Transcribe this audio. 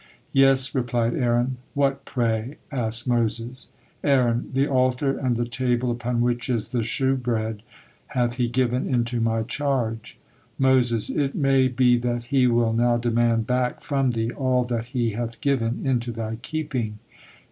"Yes," replied Aaron. "What, pray?" asked Moses. Aaron: "The altar and the table upon which is the shewbread hath He given into my charge." Moses: "It may be that He will now demand back from thee all that He hath given into thy keeping."